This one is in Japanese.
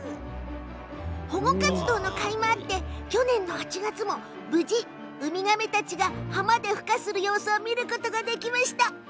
保護活動のかいもあって去年８月も無事ウミガメたちが浜で、ふ化する様子を見ることができました。